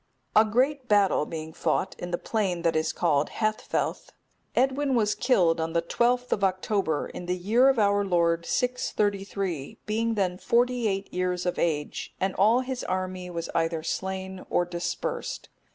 A great battle being fought in the plain that is called Haethfelth,(271) Edwin was killed on the 12th of October, in the year of our Lord 633, being then forty eight years of age, and all his army was either slain or dispersed.